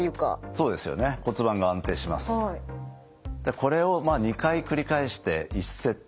これを２回繰り返して１セット。